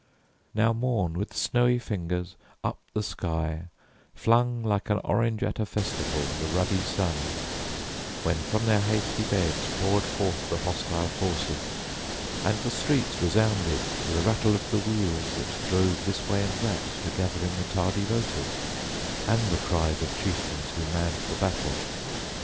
Now morn with snowy fingers up the sky Flung like an orange at a festival The ruddy sun, when from their hasty beds Poured forth the hostile forces, and the streets Resounded to the rattle of the wheels That drove this way and that to gather in The tardy voters, and the cries of chieftains Who manned the battle.